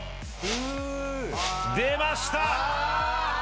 出ました！